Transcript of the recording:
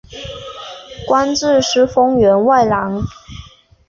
官至司封员外郎。